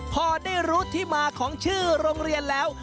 พอได้รู้ที่มาของชื่อโรงเรียนแล้ว